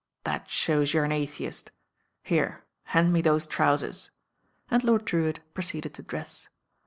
That shows you're an atheist. Were, hand me those trousers," and Lord Drewitt proceeded to dress.